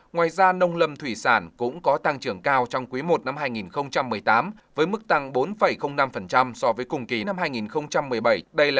ngoài ra nông lâm thủy sản cũng có tăng trưởng cao trong quý i năm hai nghìn một mươi tám với mức tăng bốn năm so với cùng kỳ năm hai nghìn một mươi bảy